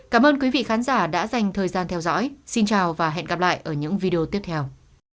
cảm ơn quý vị khán giả đã dành thời gian theo dõi xin chào và hẹn gặp lại ở những video tiếp theo